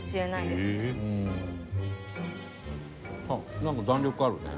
あっなんか弾力あるね。